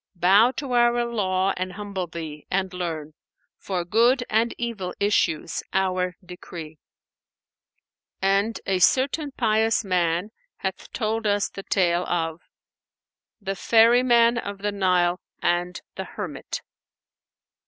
Bow to Our Law and humble thee, and learn * For good and evil issues Our decree.'"[FN#496] And a certain pious man hath told us the tale of THE FERRYMAN OF THE NILE AND THE HERMIT.